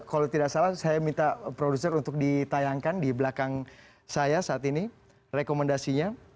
kalau tidak salah saya minta produser untuk ditayangkan di belakang saya saat ini rekomendasinya